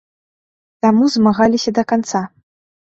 Таму змагаліся да канца.